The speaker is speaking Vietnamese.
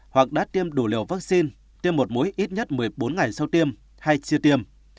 hoặc đã tiêm đủ liều vaccine tiêm một mũi ít nhất một mươi bốn ngày sau tiêm hay chia tiêm